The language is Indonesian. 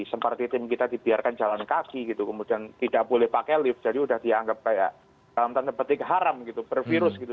seperti tim kita dibiarkan jalan kaki gitu kemudian tidak boleh pakai lift jadi sudah dianggap kayak dalam tanda petik haram gitu bervirus gitu